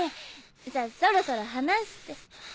じゃそろそろ離して。